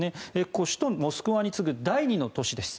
首都モスクワに次ぐ第２の都市です。